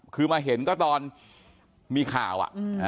คือมาเห็นก็ตอนมีข่าว